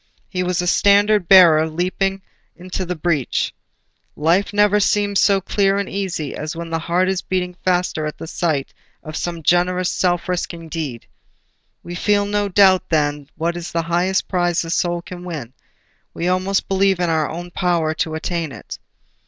He was a standard bearer leaping into the breach. Life never seems so clear and easy as when the heart is beating faster at the sight of some generous self risking deed. We feel no doubt then what is the highest prize the soul can win; we almost believe in our own power to attain it.